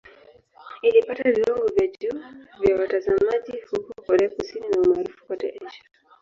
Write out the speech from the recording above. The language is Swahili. Ilipata viwango vya juu vya watazamaji huko Korea Kusini na umaarufu kote Asia.